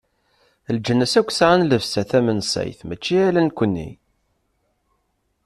Leǧnas akk sɛan llebsa tamensayt, mačči ala nekni.